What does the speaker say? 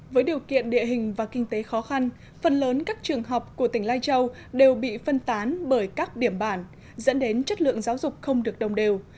với điều kiện địa hình và kinh tế khó khăn phần lớn các trường học của tỉnh lai châu đều bị phân tán bởi các điểm bản dẫn đến chất lượng giáo dục không được đồng đều